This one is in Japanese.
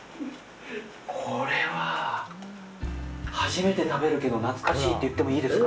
これは、初めて食べるけど、懐かしいって言ってもいいですか。